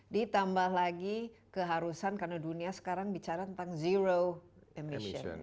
ditambah lagi keharusan karena dunia sekarang bicara tentang zero emission